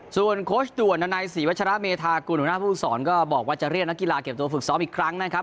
ส่วนโค้ชด่วนนานัยศรีวัชระเมธากุลหัวหน้าผู้ฝึกศรก็บอกว่าจะเรียกนักกีฬาเก็บตัวฝึกซ้อมอีกครั้งนะครับ